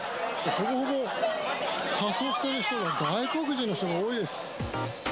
ほぼほぼ仮装している人は外国人の人が多いです。